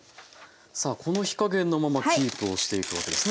さあこの火加減のままキープをしていくわけですね。